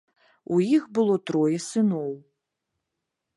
У іх было трое сыноў.